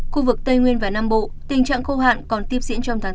khu vực tây nguyên và nam bộ tình trạng khô hạn còn tiếp diễn trong tháng bốn